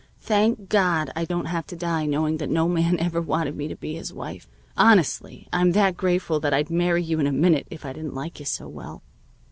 Thank God I don't have to die knowing that no man ever wanted me to be his wife. Honestly, I'm that grateful that I'd marry you in a minute if I didn't like you so well."